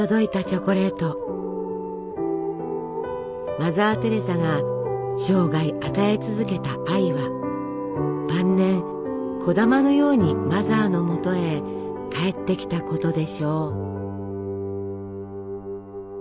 マザー・テレサが生涯与え続けた愛は晩年こだまのようにマザーのもとへ返ってきたことでしょう。